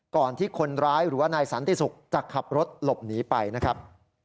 ก่อนที่คนร้ายหรือว่านายสันติศุกร์จะขับรถหลบหนีไปนะครับ